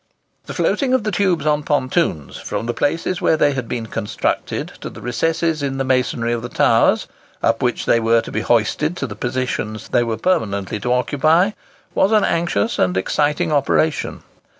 The floating of the tubes on pontoons, from the places where they had been constructed, to the recesses in the masonry of the towers, up which they were to be hoisted to the positions they were permanently to occupy, was an anxious and exciting operation.